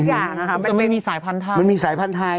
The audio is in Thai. มันจะไม่มีสายพันธุ์ไทยมันมีสายพันธุ์ไทย